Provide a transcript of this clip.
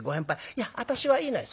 『いや私はいいのよ』。